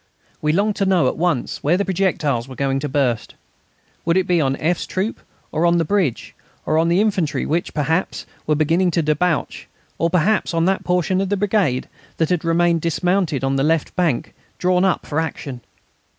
We longed to know, at once, where the projectiles were going to burst. Would it be on F.'s troop, or on the bridge, or on the infantry, which, perhaps, were beginning to debouch, or, perhaps, on that portion of the brigade that had remained dismounted on the left bank, drawn up for action?